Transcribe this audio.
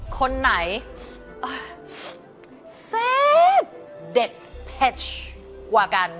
คนไหนเส้นเด็ดเพชรกว่ากัน